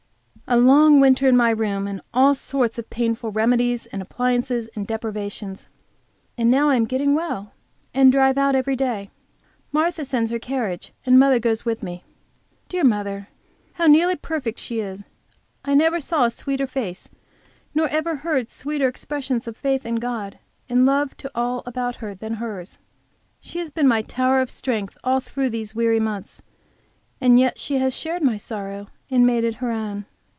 A long winter in my room, and all sorts of painful remedies and appliances and deprivations. And now I am getting well, and drive out every day. Martha sends her carriage, and mother goes with me. Dear mother! How nearly perfect she is! I never saw a sweeter face, nor ever heard sweeter expressions of faith in God, and love to all about her than hers. She has been my tower strength all through these weary months; and she has shared my sorrow and made it her own.